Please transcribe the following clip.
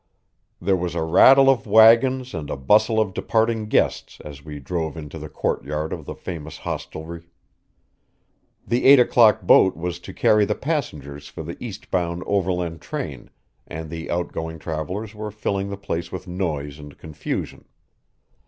There was a rattle of wagons and a bustle of departing guests as we drove into the courtyard of the famous hostelry. The eight o'clock boat was to carry the passengers for the east bound overland train, and the outgoing travelers were filling the place with noise and confusion.